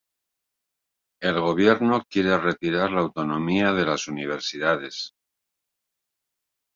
El gobierno quiere retirar la autonomía de las universidades.